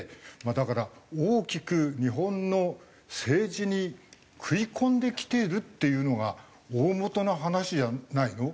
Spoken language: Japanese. だから大きく日本の政治に食い込んできてるっていうのが大本の話じゃないの？